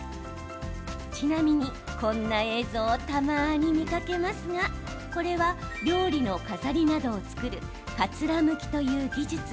ちなみに、こんな映像をたまに見かけますがこれは料理の飾りなどを作るかつらむきという技術。